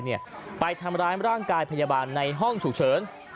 เป็นคนที่ทำร้ายบรรทางกายพยาบาลในห้องฉุกเฉิน